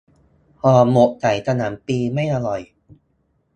ห่อหมกใส่กะหล่ำปลี ไม่อร่อย